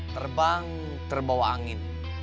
terbang terbawa angin